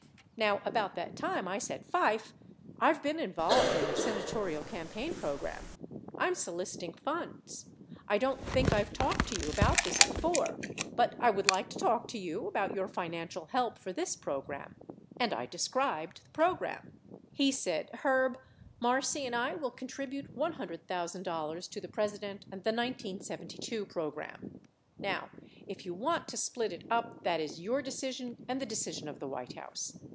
Now, about that time I said, Fife, I've been involved in a senatorial campaign program. I'm soliciting funds. I don't think I've talked to you about this before, but I would like to talk to you about your financial help for this program. And I described the program. He said, Herb, Marsie and I will contribute $100,000 to the President and the 1972 program. Now, if you want to split it up, that is your decision and the decision of the White House.